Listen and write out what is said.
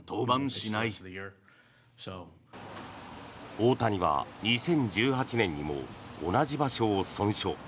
大谷は２０１８年にも同じ場所を損傷。